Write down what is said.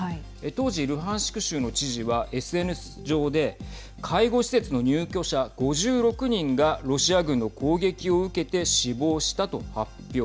当時、ルハンシク州の知事はＳＮＳ上で介護施設の入居者５６人がロシア軍の攻撃を受けて死亡したと発表。